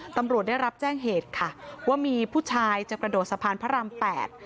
ตำรวจได้รับแจ้งเหตุค่ะว่ามีผู้ชายจะกระโดดสะพานพระรามแปด